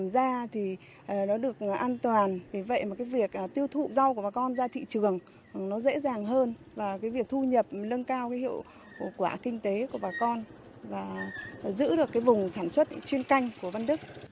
giữ được vùng sản xuất chuyên canh của văn đức